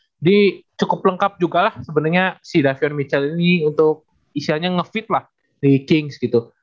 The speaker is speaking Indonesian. jadi cukup lengkap juga lah sebenarnya si davion mitchell ini untuk isianya nge fit lah di kings gitu